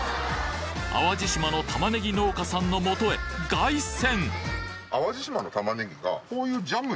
淡路島の玉ねぎ農家さんの元へ凱旋！